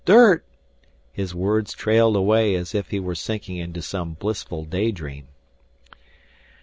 Dirt " his words trailed away as if he were sinking into some blissful daydream.